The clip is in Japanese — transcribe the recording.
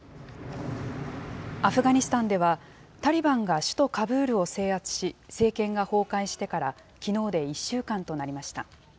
アフガニスタンでは、タリバンが首都カブールを制圧し、政権が崩壊してからきのうで１週間となりました。